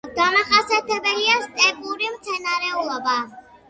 დამახასიათებელია სტეპური მცენარეულობა.